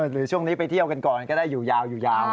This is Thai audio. หรือช่วงนี้ไปเที่ยวกันก่อนก็ได้อยู่ยาวอยู่ยาว